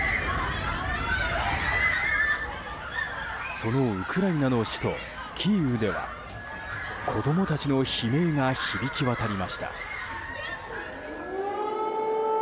そのウクライナの首都キーウでは子供たちの悲鳴が響き渡りました。